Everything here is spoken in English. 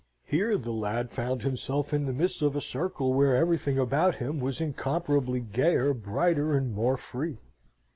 Here the lad found himself in the midst of a circle where everything about him was incomparably gayer, brighter, and more free.